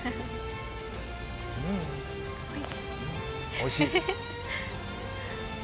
おいしい！